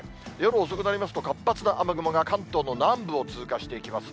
夜遅くなりますと、活発な雨雲が関東の南部を通過していきます。